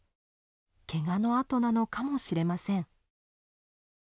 ケガの痕なのかもしれません。